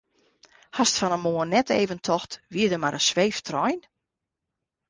Hast fan 'e moarn net even tocht wie der mar in sweeftrein?